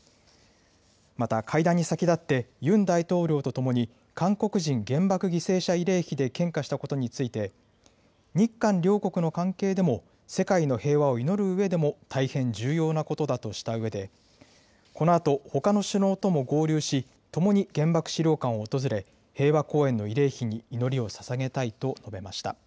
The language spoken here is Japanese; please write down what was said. また、会談に先立って、ユン大統領と共に韓国人原爆犠牲者慰霊碑で献花したことについて、日韓両国の関係でも世界の平和を祈るうえでも大変重要なことだとしたうえで、このあとほかの首脳とも合流し、共に原爆資料館を訪れ、平和公園の慰霊碑に祈りをささげたいと述べました。